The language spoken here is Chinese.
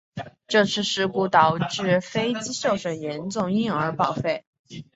这次事故导致飞机受损严重因而报废。